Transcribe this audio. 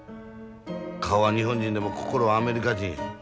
顔は日本人でも心はアメリカ人や。